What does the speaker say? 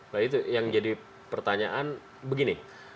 nah itu yang jadi pertanyaan begini